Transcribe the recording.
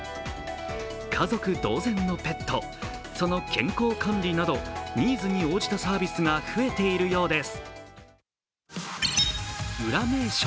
家族同然のペット、その健康管理などニーズに応じたサービスが増えているようです。